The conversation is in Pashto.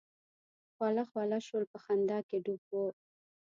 خوله خوله شول په خندا کې ډوب وو.